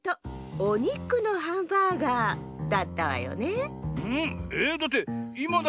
おにくのハンバーガーだったわよね。